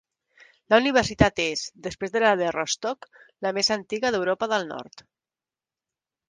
La universitat és, després de la de Rostock, la més antiga d'Europa del nord.